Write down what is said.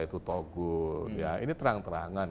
itu togul ya ini terang terangan